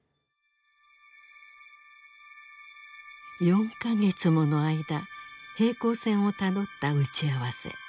４か月もの間平行線をたどった打ち合わせ。